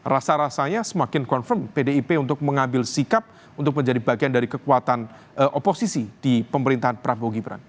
rasa rasanya semakin confirm pdip untuk mengambil sikap untuk menjadi bagian dari kekuatan oposisi di pemerintahan prabowo gibran